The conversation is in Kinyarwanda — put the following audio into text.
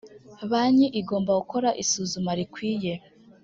banki igomba gukora isuzuma rikwiye